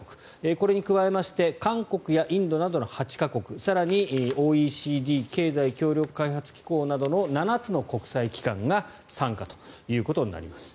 これに加えまして韓国やインドなどの８か国更にＯＥＣＤ・経済協力開発機構などの７つの国際機関が参加ということになります。